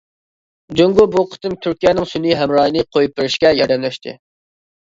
جۇڭگو بۇ قېتىم تۈركىيەنىڭ سۈنئىي ھەمراھىنى قويۇپ بېرىشكە ياردەملەشتى.